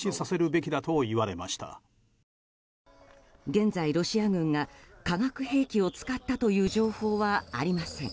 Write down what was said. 現在、ロシア軍が化学兵器を使ったという情報はありません。